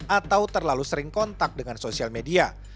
atau terlalu sering kontak dengan sosial media